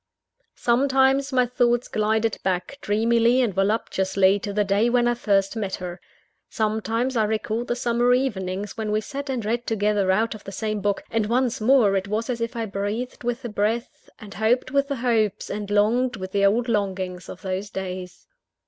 Sometimes, my thoughts glided back, dreamily and voluptuously, to the day when I first met her. Sometimes, I recalled the summer evenings when we sat and read together out of the same book; and, once more, it was as if I breathed with the breath, and hoped with the hopes, and longed with the old longings of those days.